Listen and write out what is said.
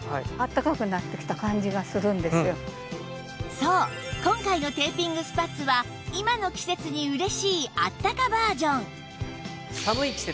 そう今回のテーピングスパッツは今の季節に嬉しいあったかバージョン